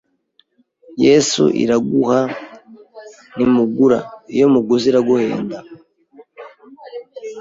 “Yesu iraguha ntimugura, iyo muguze iraguhenda